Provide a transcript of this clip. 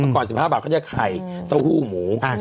ก่อน๑๕บาทเขาจะไข่เต้าหู้หมู